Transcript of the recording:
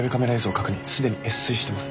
既に越水してます。